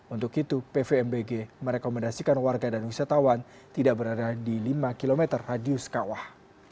untuk itu pvmbg merekomendasikan warga dan wisatawan tidak berada di lima km radius kawah